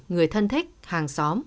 người thân thích hàng xóm